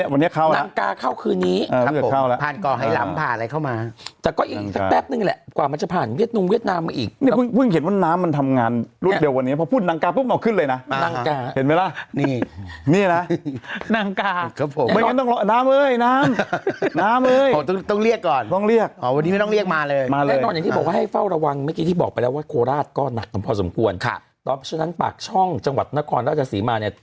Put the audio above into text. บอกไปแล้วว่าโคราชก็หนักพอสมควรตอนนั้นปากช่องจังหวัดนครราชสีมาเนี่ย